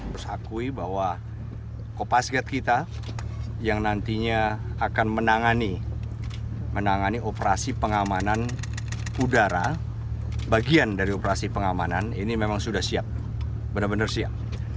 harus akui bahwa kopasgat kita yang nantinya akan menangani operasi pengamanan udara bagian dari operasi pengamanan ini memang sudah siap benar benar siap